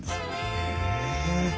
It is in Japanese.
へえ。